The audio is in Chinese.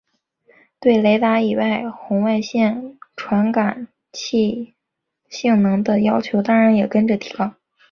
对雷达以及红外线传感器性能的要求当然也跟着提高。